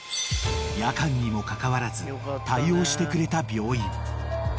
［夜間にもかかわらず対応してくれた病院］